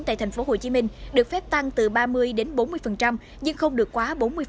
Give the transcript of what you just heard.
tại tp hcm được phép tăng từ ba mươi đến bốn mươi nhưng không được quá bốn mươi